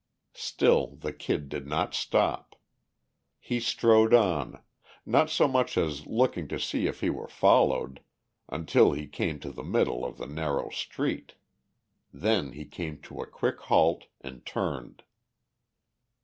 Still the Kid did not stop. He strode on, not so much as looking to see if he were followed, until he came to the middle of the narrow street. Then he came to a quick halt and turned.